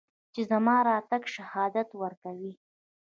چې زما د راتګ شهادت ورکوي